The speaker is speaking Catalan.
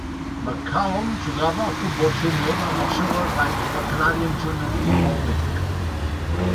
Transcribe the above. McCallum jugava al futbol júnior amb els Surrey Rams de la Canadian Junior Football League.